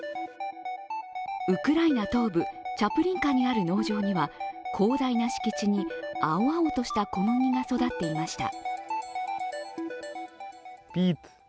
ウクライナ東部チャプリンカにある農場には広大な敷地に青々とした小麦が育っていました。